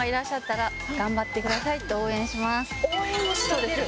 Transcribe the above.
応援をしてあげる？